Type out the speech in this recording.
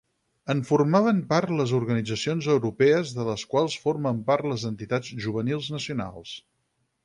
En formaven part les organitzacions europees de les quals formen part les entitats juvenils nacionals.